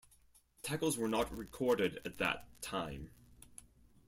Tackles were not recorded at that time.